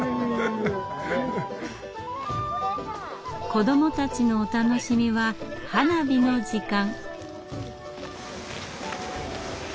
子どもたちのお楽しみは花火の時間。